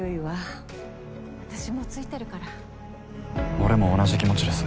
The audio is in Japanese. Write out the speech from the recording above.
俺も同じ気持ちです。